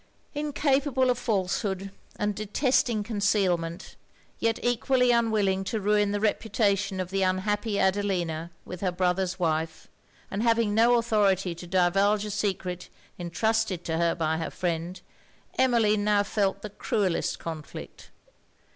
Incapable of falsehood, and detesting concealment, yet equally unwilling to ruin the reputation of the unhappy Adelina with her brother's wife, and having no authority to divulge a secret entrusted to her by her friend, Emmeline now felt the cruellest conflict.